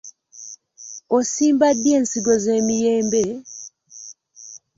Osimba ddi ensigo z'emiyembe?